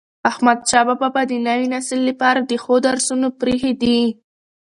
احمدشاه بابا د نوي نسل لپاره د ښو درسونه پريښي دي.